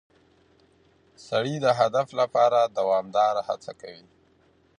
سړی د هدف لپاره دوامداره هڅه کوي